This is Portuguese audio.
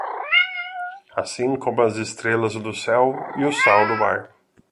Assim como as estrelas no céu e o sal no mar